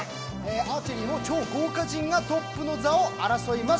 「アーチェリー」も超豪華陣が頂点を争います。